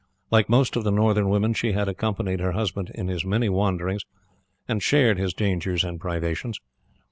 Like most of the northern women she had accompanied her husband in his many wanderings, and shared his dangers and privations.